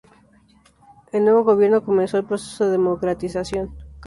El nuevo gobierno comenzó el proceso de democratización.